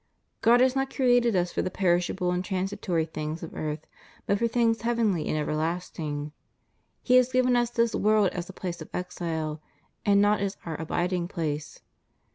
God has not created us for the perishable and transitory things of earth, but for things heavenly and everlasting; He has given us this world as a place of exile, and not as oui abiding place.